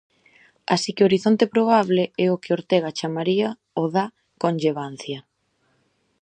Así que o horizonte probable é o que Ortega chamaría o da "conllevancia".